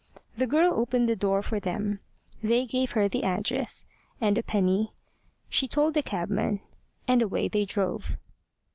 The girl opened the door for them; they gave her the address, and a penny; she told the cabman, and away they drove.